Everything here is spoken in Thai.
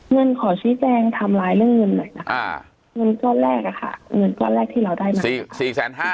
เงินขอชี้แจงไทม์ไลน์เรื่องเงินหน่อยค่ะเงินก้อนแรกอะค่ะเงินก้อนแรกที่เราได้มา